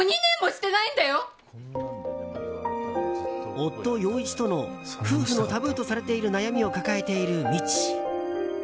夫・陽一との夫婦のタブーとされている悩みを抱えているみち。